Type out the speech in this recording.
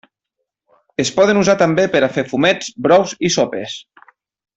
Es poden usar també per a fer fumets, brous i sopes.